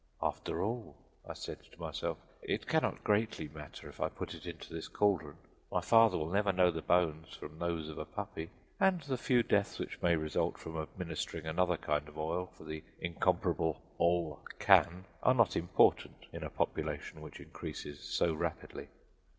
"After all," I said to myself, "it cannot greatly matter if I put it into this cauldron. My father will never know the bones from those of a puppy, and the few deaths which may result from administering another kind of oil for the incomparable ol. can. are not important in a population which increases so rapidly."